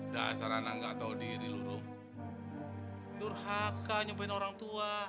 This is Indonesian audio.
dasar anak gak tau diri lu rom nurhaka nyumpain orang tua